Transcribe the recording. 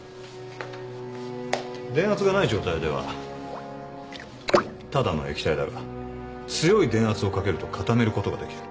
電圧がない状態ではただの液体だが強い電圧をかけると固めることができる。